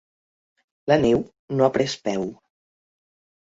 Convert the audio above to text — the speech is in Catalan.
La neu no ha pres peu.